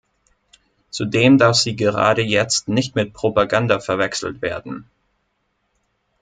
Zudem darf sie gerade jetzt nicht mit Propaganda verwechselt werden.